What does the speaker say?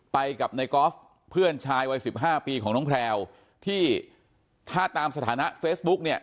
ไปกับในกอล์ฟเพื่อนชายวัยสิบห้าปีของน้องแพลวที่ถ้าตามสถานะเฟซบุ๊กเนี่ย